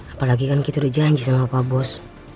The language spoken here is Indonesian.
apalagi kan kita udah janji sama pak bos